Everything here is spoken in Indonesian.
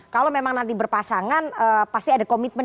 kalau memang nanti berpasangan pasti ada komitmen